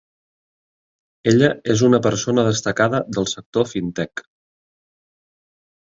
Ella és una persona destacada del sector Fintech.